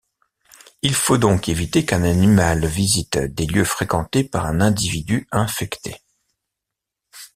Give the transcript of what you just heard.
Il faut donc éviter qu'un animal visite des lieux fréquentés par un individu infecté.